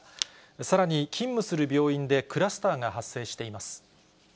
さらに勤務する病院でクラスターが発生しています。